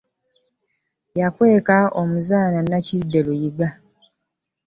Yakweka omuzaana Nakidde Luyiga.